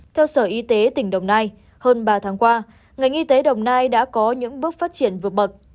theo sở y tế tỉnh đồng nai hơn ba tháng qua ngành y tế đồng nai đã có những bước phát triển vượt bậc